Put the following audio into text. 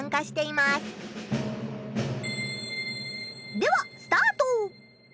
ではスタート！